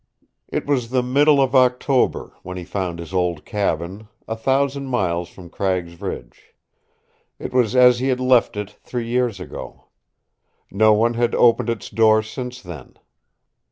It was the middle of October when he found his old cabin, a thousand miles from Cragg's Ridge. It was as he had left it three years ago. No one had opened its door since then.